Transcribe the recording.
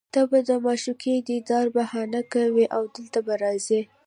ته به د معشوقې دیدار بهانه کوې او دلته به راځې